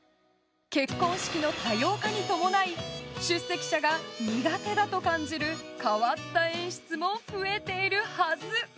結婚式の多様化に伴い出席者が苦手だと感じる変わった演出も増えているはず。